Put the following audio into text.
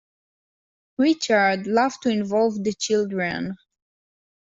Richard loved to involve the children.